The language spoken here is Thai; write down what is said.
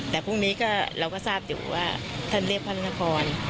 แต่พรุ่งนี้เราก็ทราบอยู่ว่าท่านเรียกพระนคร